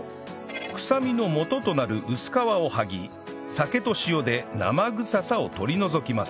臭みのもととなる薄皮を剥ぎ酒と塩で生臭さを取り除きます